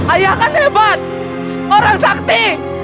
ayah kan hebat orang sakti